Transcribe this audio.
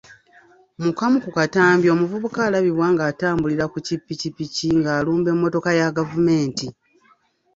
Mu kamu ku katambi omuvubuka alabibwa ng’atambulira ki ppikipiki ng’alumba emmotoka ya gavumenti.